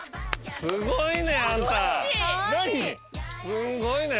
すんごいね。